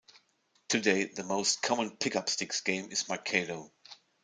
Today, the most common pick-up sticks game is Mikado.